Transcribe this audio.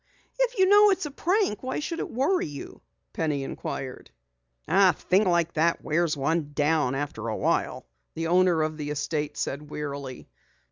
"If you know it's a prank why should it worry you?" Penny inquired. "A thing like that wears one down after awhile," the owner of the estate said wearily.